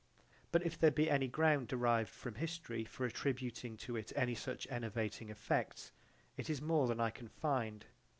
But if there be any ground derived from history for attributing to it any such enervating effects it is more than I can find.